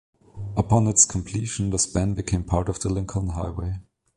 Upon its completion, the span became part of the Lincoln Highway.